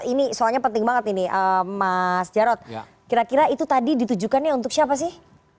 ini soalnya penting banget ini mas jarod kira kira itu tadi ditujukannya untuk siapa sih